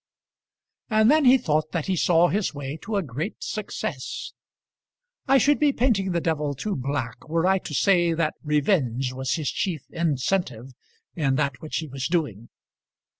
And then he thought that he saw his way to a great success. I should be painting the Devil too black were I to say that revenge was his chief incentive in that which he was doing.